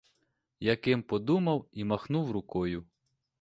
Яким подумав і махнув рукою.